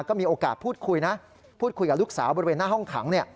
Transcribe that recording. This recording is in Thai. ก็มีโอกาสพูดคุยนะพูดคุยกับลูกสาวบริเวณหน้าห้องขัง